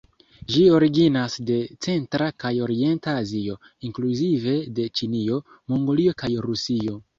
Ĝi originas de centra kaj orienta Azio, inkluzive de Ĉinio, Mongolio kaj Rusio.